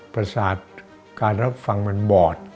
ประสาทการรับฟังมันบอด